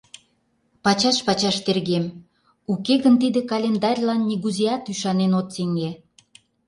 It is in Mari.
Пачаш-пачаш тергем, уке гын тиде календарьлан нигузеат ӱшанен от сеҥе.